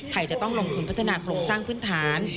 จะต้องลงทุนพัฒนาโครงสร้างพื้นฐาน